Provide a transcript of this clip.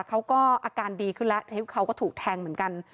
เขาก็อาการดีขึ้นแล้วเขาก็ถูกแทงเหมือนกัน